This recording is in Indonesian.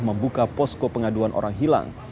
membuka posko pengaduan orang hilang